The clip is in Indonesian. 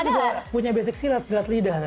saya juga punya basic silat silat lidah